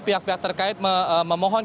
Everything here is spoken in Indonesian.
pihak pihak terkait memohon